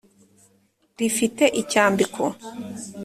rifite icyambiko.